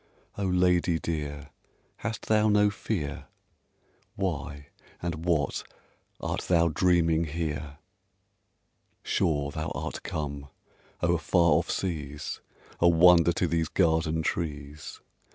Oh, lady dear, hast thou no fear? Why and what art thou dreaming here? Sure thou art come o'er far off seas, A wonder to these garden trees!